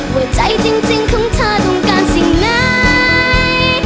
ว่าใจจริงของเธอต้องการสิ่งไหน